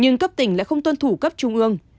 nhưng cấp tỉnh lại không tuân thủ cấp trung ương